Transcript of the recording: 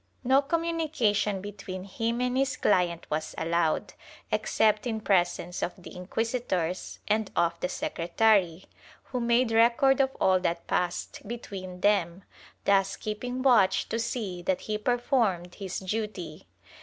No communication between him and his client was allowed, except in presence of the inquisitors and of the secretary, who made record of all that passed between them, thus keeping watch to see that he performed his duty.